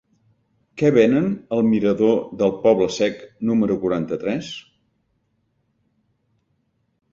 Què venen al mirador del Poble Sec número quaranta-tres?